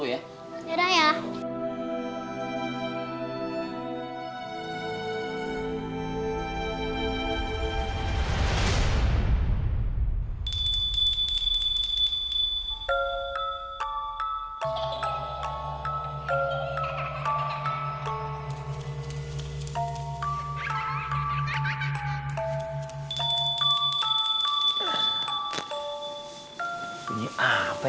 eh dulu ya